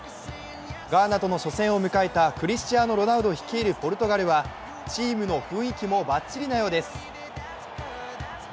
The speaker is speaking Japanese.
ガーナとの初戦を迎えたクリスチアーノ・ロナウド率いるポルトガルはチームの雰囲気もバッチリなようです。